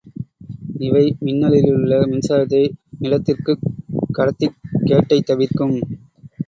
இவை மின்னலிலுள்ள மின்சாரத்தை நிலத்திற்குக் கடத்திக் கேட்டைத் தவிர்க்கும்.